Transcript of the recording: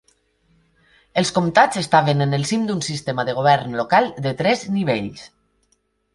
Els comtats estaven en el cim d'un sistema de govern local de tres nivells.